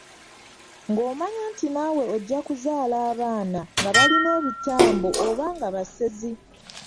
Ng’omanya nti naawe ojja kuzaala abaana nga balina ebitambo oba nga basezi.